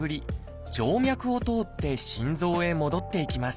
静脈を通って心臓へ戻っていきます。